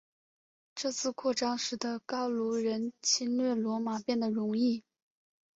这次扩张使得高卢人侵略罗马变得容易。